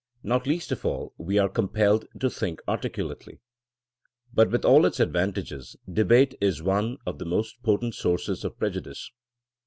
Not least of all, we are compelled to think articulately. But with all its advantages, debate is one of the most potent sources of prejudice.